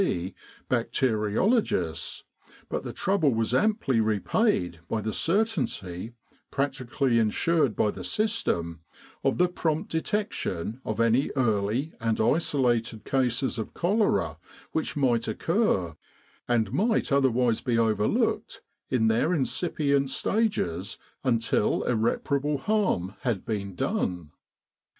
C. bacteriologists, but the trouble was amply repaid by the certainty, practically ensured by the system, of the prompt detection of any early and isolated cases of cholera which might occur, and might otherwise be overlooked in their incipient stages until irreparable harm had been done.